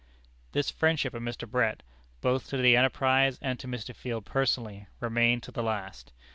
This friendship of Mr. Brett both to the enterprise and to Mr. Field personally remained to the last.